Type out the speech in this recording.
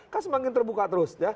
kan semakin terbuka terus